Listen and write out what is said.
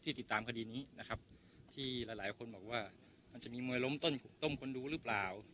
ติดตามคดีนี้นะครับที่หลายหลายคนบอกว่ามันจะมีมวยล้มต้นต้มคนดูหรือเปล่า